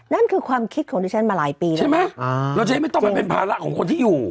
นั่นคือความคิดของดิฉันมาหลายปีแล้วใช่ไหมเราจะได้ไม่ต้องไปเป็นภาระของคนที่อยู่